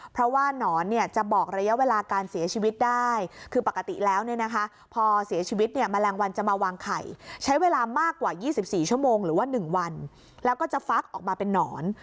เพราะว่านอนเนี่ยจะบอกระยะเวลาการเสียชีวิตได้คือปกติแล้วเนี่ยนะคะพอเสียชีวิตเนี่ยแมลงวันจะมาวางไข่ใช้เวลามากกว่า๒๔ชั่วโมงหรือว่า๑วันแล้วก็จะฟักออกมาเป็นนอน